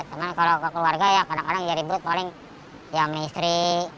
tapi kalau keluarga ya kadang kadang jadi bud paling ya menistri